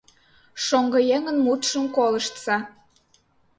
Шоҥго еҥын мутшым колыштса.